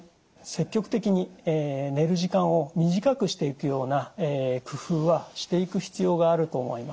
積極的に寝る時間を短くしていくような工夫はしていく必要があると思います。